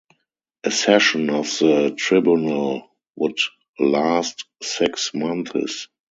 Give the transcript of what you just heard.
A session of the Tribunal would last six months.